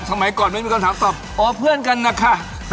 สมัยก่อนไม่มีคำถามตอบอ๋อเพื่อนกันนะคะ